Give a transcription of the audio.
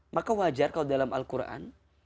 maka wajar kalau dalam al quran